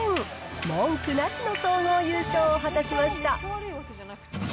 文句なしの総合優勝を果たしました。